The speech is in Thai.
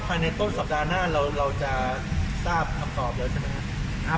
พายในต้นส่วนสัปดาห์หน้าเราก็จะทราบคำสอบใช่ไหมครับ